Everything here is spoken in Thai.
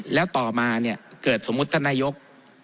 แล้วต่อมาเนี่ยเกิดสมมุติท่านนายก